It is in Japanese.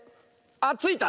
あっついた！